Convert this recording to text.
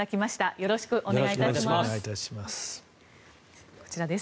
よろしくお願いします。